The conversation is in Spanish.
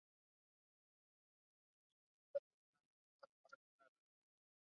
Simon no puede poseer más de una sub-arma a la vez.